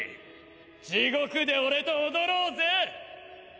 地獄で俺と踊ろうぜ！